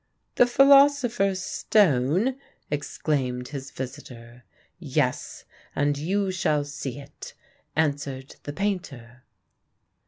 "The philosopher's stone?" exclaimed his visitor. "Yes, and you shall see it," answered the painter.